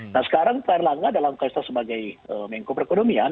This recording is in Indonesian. nah sekarang pak erlangga dalam kaisah sebagai mengkoperkonomian